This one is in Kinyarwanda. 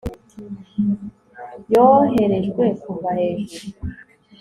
yoherejwe kuva hejuru